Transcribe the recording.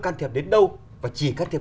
can thiệp đến đâu và chỉ can thiệp